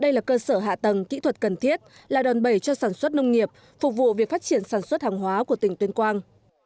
đây là cơ sở hạ tầng kỹ thuật cần thiết là đòn bẩy cho sản xuất nông nghiệp phục vụ việc phát triển sản xuất hàng hóa của tỉnh tuyên quang